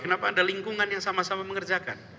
kenapa ada lingkungan yang sama sama mengerjakan